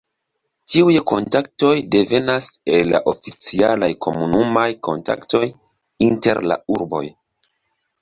Tiuj kontaktoj devenas el la oficialaj komunumaj kontaktoj inter la urboj.